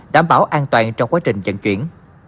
đảm bảo an toàn trong quá trình dẫn chuyển